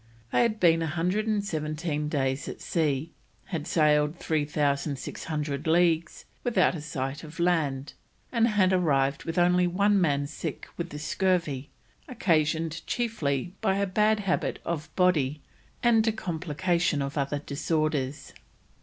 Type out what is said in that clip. They had been a hundred and seventeen days at sea, had sailed 3,600 leagues without a sight of land, and had arrived with only one man sick with the scurvy, "occasioned, chiefly, by a bad habit of body and a complication of other disorders."